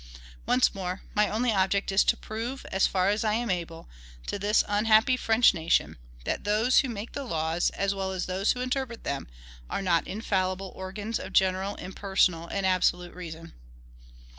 Once more, my only object is to prove, as far as I am able, to this unhappy French nation, that those who make the laws, as well as those who interpret them, are not infallible organs of general, impersonal, and absolute reason.